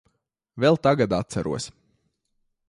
Vēl tagad atceros.